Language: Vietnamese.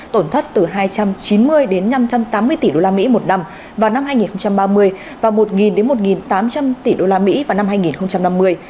tổn thất từ hai trăm chín mươi đến năm trăm tám mươi tỷ usd một năm vào năm hai nghìn ba mươi và một một tám trăm linh tỷ usd vào năm hai nghìn năm mươi